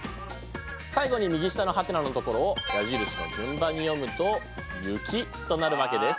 最後に右下のはてなのところを矢印の順番に読むと「ゆき」となるわけです。